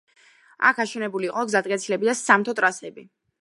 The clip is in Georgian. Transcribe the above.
აქ აშენებული იყო გზატკეცილები და სამთო ტრასები.